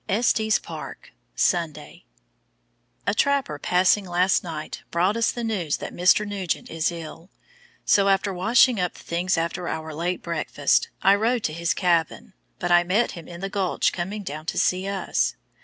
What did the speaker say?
ESTES PARK, Sunday. A trapper passing last night brought us the news that Mr. Nugent is ill; so, after washing up the things after our late breakfast, I rode to his cabin, but I met him in the gulch coming down to see us.